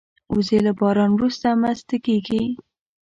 وزې له باران وروسته مستې کېږي